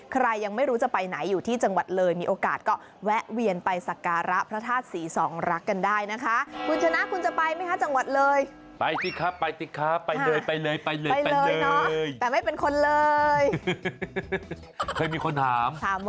ใครยังไม่รู้จะไปไหนอยู่ที่จังหวัดเลยมีโอกาสก็แวะเวียนไปสการพระทาสศรีสองรักกันได้นะคะ